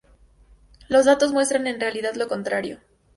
Los datos muestran en realidad lo contrario.